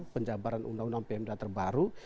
penjabaran undang undang pmd terbaru